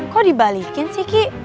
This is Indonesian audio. kok dibalikin sih ki